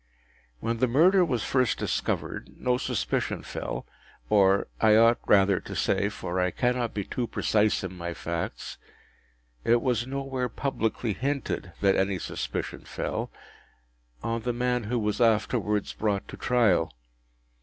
When the murder was first discovered, no suspicion fell—or I ought rather to say, for I cannot be too precise in my facts, it was nowhere publicly hinted that any suspicion fell—on the man who was afterwards brought to trial.